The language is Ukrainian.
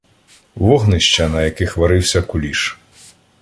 Вогнища, на яких варився куліш